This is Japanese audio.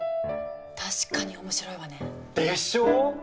確かに面白いわね。でしょう？